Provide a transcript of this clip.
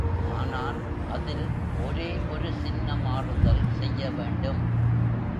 ஆனால் அதில் ஒரே ஒரு சின்ன மாறுதல் செய்ய வேண்டும்.